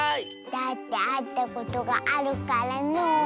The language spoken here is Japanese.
だってあったことがあるからのう。